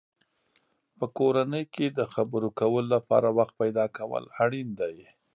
په کورنۍ کې د خبرو کولو لپاره وخت پیدا کول اړین دی.